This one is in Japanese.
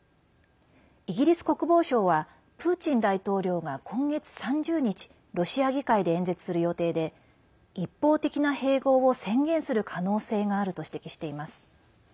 イギリス国防省はプーチン大統領が今月３０日ロシア議会で演説する予定で一方的な併合を宣言する可能性があると指摘しています。